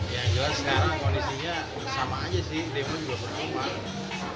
yang jelas sekarang kondisinya sama aja sih demo juga bertambah